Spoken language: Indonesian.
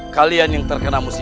kalian yang terkena musik